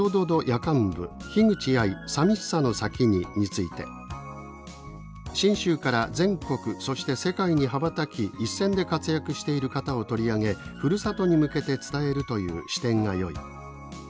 夜間部「ヒグチアイ“さみしさ”の先に」について「信州から全国そして世界に羽ばたき一線で活躍している方を取り上げふるさとに向けて伝えるという視点がよい。